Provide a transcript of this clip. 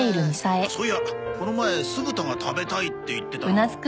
そういやこの前酢豚が食べたいって言ってたな。